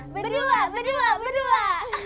berdua berdua berdua